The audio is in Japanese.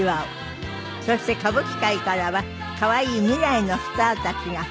そして歌舞伎界からは可愛い未来のスターたちが。